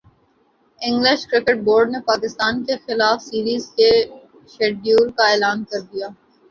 English cricket board نے پاکستان کیخلاف series کے شیڈول کا اعلان کر دیا